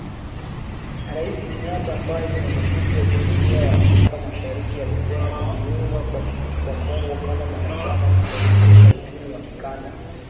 Rais Kenyatta ambaye ni Mwenyekiti wa Jumuiya ya Afrika mashariki alisema kujiunga kwa Kongo kama mwanachama kutaimarisha uchumi wa kikanda.